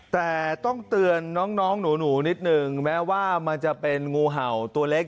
แต่ต้องเตือนน้องหนูนิดนึงแม้ว่ามันจะเป็นงูเห่าตัวเล็ก